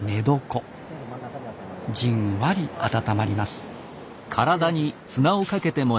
じんわり温まります。